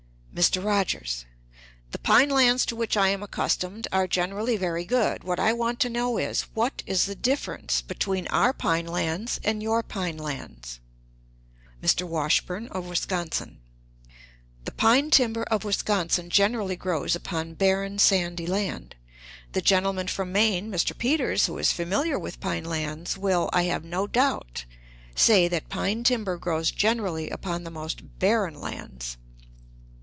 "Mr. Rogers. The pine lands to which I am accustomed are generally very good. What I want to know is, what is the difference between our pine lands and your pine lands? "Mr. Washburn, of Wisconsin. The pine timber of Wisconsin generally grows upon barren, sandy land. The gentleman from Maine (Mr. Peters), who is familiar with pine lands, will, I have no doubt, say that pine timber grows generally upon the most barren lands.